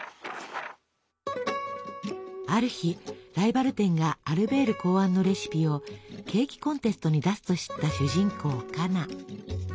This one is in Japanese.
ある日ライバル店がアルベール考案のレシピをケーキコンテストに出すと知った主人公カナ。